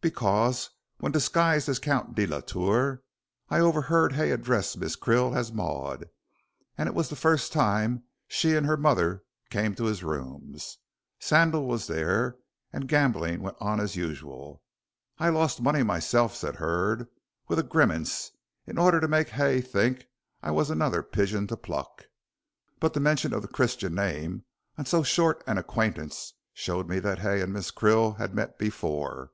"Because, when disguised as the Count de la Tour, I overheard Hay address Miss Krill as Maud, and it was the first time she and her mother came to his rooms. Sandal was there, and gambling went on as usual. I lost money myself," said Hurd, with a grimace, "in order to make Hay think I was another pigeon to pluck. But the mention of the Christian name on so short an acquaintance showed me that Hay and Miss Krill had met before.